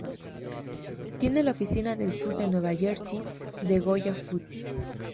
Tiene la oficina del Sur de Nueva Jersey de Goya Foods.